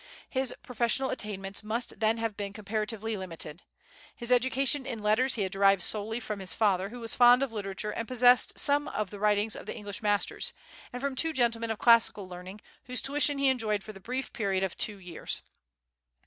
His professional attainments must then have been comparatively limited. His education in letters he had derived solely from his father, who was fond of literature and possessed some of the writings of the English masters, and from two gentlemen of classical learning, whose tuition he enjoyed for the brief period of two years.